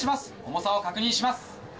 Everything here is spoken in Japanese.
重さを確認します。